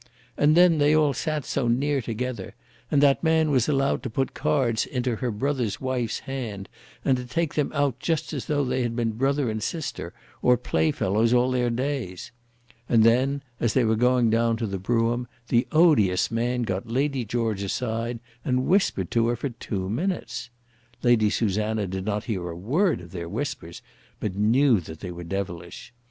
And then they all sat so near together, and that man was allowed to put cards into her brother's wife's hand and to take them out just as though they had been brother and sister, or playfellows all their days. And then, as they were going down to the brougham, the odious man got Lady George aside and whispered to her for two minutes. Lady Susanna did not hear a word of their whispers, but knew that they were devilish.